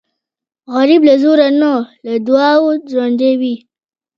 غریب له زوره نه، له دعاو ژوندی وي